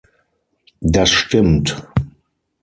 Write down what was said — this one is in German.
Das stimmt!